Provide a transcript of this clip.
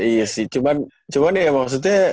iya sih cuman ya maksudnya